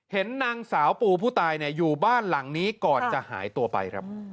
เห็นนางสาวปูผู้ตายอยู่บ้านหลังนี้ก่อนจะหายตัวไปครับ